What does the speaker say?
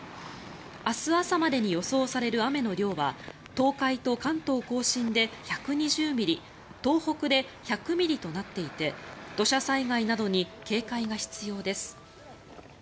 明日朝までに予想される雨の量は東海と関東・甲信で１２０ミリ東北で１００ミリとなっていて土砂災害などに警戒が必要です。